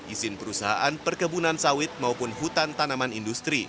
izin perusahaan perkebunan sawit maupun hutan tanaman industri